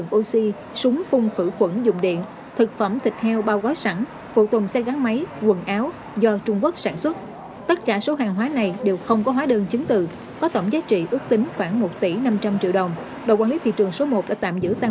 đội quản lý thị trường số một đã tạm giữ tăng vật để tiếp tục làm rõ và xử lý theo quy định pháp luật